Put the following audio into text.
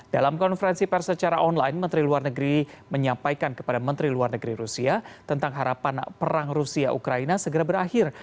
dalam konferensi pers secara online menteri luar negeri menyampaikan kepada menteri luar negeri rusia tentang harapan perang rusia ukraina segera berakhir